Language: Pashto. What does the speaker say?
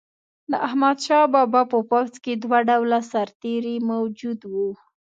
د احمدشاه بابا په پوځ کې دوه ډوله سرتیري موجود وو.